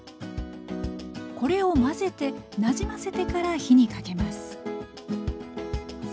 これを混ぜてなじませてから火にかけます